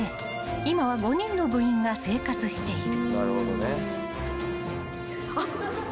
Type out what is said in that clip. ［今は５人の部員が生活している］